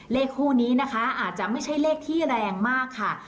เลขคู่นี้นะคะอาจจะไม่ใช่เลขที่แรงมากค่ะ